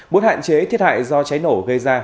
muốn hạn chế thiệt hại do cháy nổ gây ra